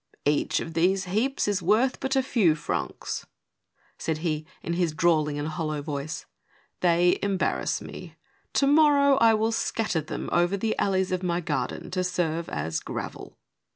" Each of these heaps is worth but a few francs," said he, in his drawling and hollow voice. " They embarrass me. To morrow I will scatter them over the alleys of my garden to serve as gravel."